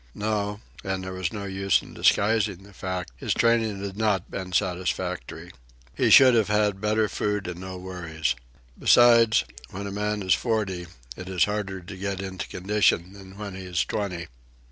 No and there was no use in disguising the fact his training had not been satisfactory. He should have had better food and no worries. Besides, when a man is forty, it is harder to get into condition than when he is twenty.